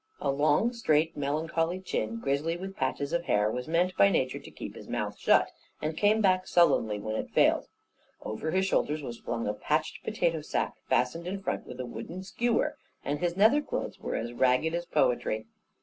A long, straight, melancholy chin, grisly with patches of hair, was meant by nature to keep his mouth shut, and came back sullenly when it failed. Over his shoulders was flung a patched potato sack, fastened in front with a wooden skewer, and his nether clothes were as ragged as poetry.